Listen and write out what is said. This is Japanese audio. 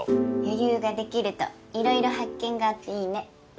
余裕ができると色々発見があっていいね。